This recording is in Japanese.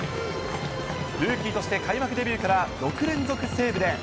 ルーキーとして開幕デビューから６連続セーブで。